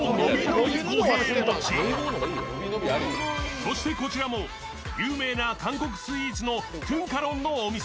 そしてこちらも有名な韓国スイーツのトゥンカロンのお店。